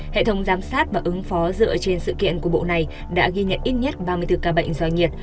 hệ thống giám sát và ứng phó dựa trên sự kiện của bộ này đã ghi nhận ít nhất ba mươi bốn ca bệnh do nhiệt